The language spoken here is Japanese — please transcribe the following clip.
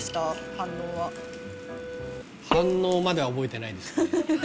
反応は反応までは覚えてないですね